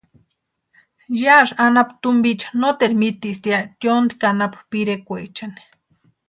Yásï anapu tumpiecha noteru miteaspti ya yóntki anapu pirekwaechani.